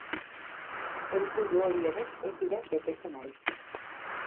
Helburu hori ere ez dira betetzen ari.